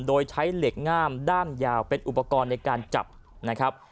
โดยใช้เหล็กง่ามด้ามยาวเป็นอุปกรณ์ในการจับนะครับ